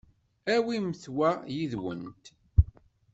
Awimt wa yid-went.